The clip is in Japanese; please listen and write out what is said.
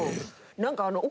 何か。